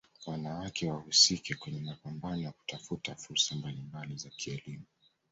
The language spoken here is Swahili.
wanawake wahusike kwenye mapambano ya kutafuta fursa mbalimbali za kielimu